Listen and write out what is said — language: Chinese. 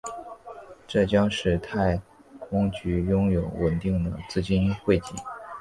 这将使太空局拥有稳定的资金汇集。